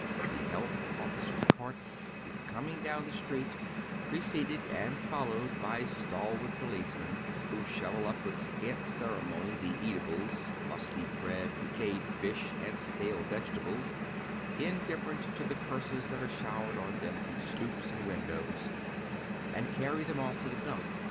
The health officers' cart is coming down the street, preceded and followed by stalwart policemen, who shovel up with scant ceremony the eatables — ninsty bread, decayed fish and stale vegetables— indifferent to the curses that are showered on them from stoops and windows, and carry them off to the dump.